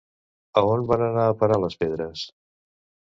A on van anar a parar les pedres?